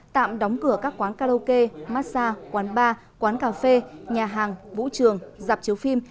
tạm đóng cửa các quán karaoke massage quán bar quán cà phê nhà hàng vũ trường dạp chiếu phim